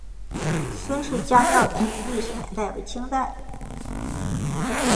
孙氏家庙的历史年代为清代。